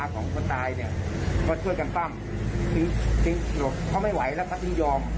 อ๋อของคนตายเนี้ยก็ช่วยกันปั้มทิ้งทิ้งหลบเขาไม่ไหวแล้วเขาต้องยอม